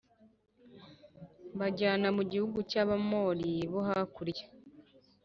Mbajyana mu gihugu cy Abamori bo hakurya